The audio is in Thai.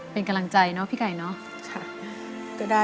เป็นกำลังใจพี่ไก่นะ